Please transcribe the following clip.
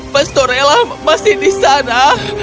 pastorella masih di sana